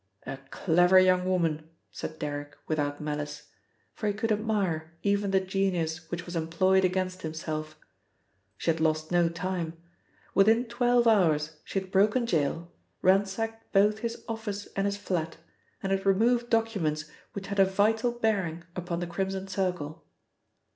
"A clever young woman!" said Derrick without malice, for he could admire even the genius which was employed against himself. She had lost no time. Within twelve hours she had broken gaol, ransacked both his office and his flat, and had removed documents which had a vital bearing upon the Crimson Circle.